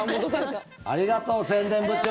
ありがとう宣伝部長。